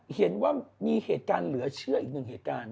เห็นว่ามีเหตุการณ์เหลือเชื่ออีกหนึ่งเหตุการณ์